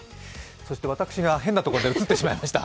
そして私が変なところで映ってしまいました。